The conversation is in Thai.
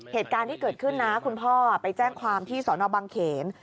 เหตุการณ์ที่เกิดขึ้นนะคุณพ่อไปแจ้งความที่สอนอบังเขน